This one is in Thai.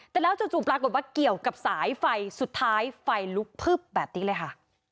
แต่แล้วจู่ปรากฏว่าเกี่ยวกับสายไฟสุดท้ายไฟลุกพึบแบบนี้เลยค่ะ